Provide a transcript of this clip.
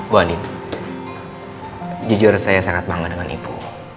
bu andien jujur saya sangat bangga dengan ibu